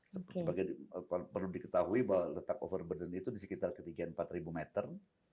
sebagai perlu diketahui bahwa letak overburden itu di sekitar ketinggian empat ribu meter